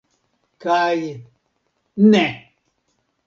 Kaj... ne!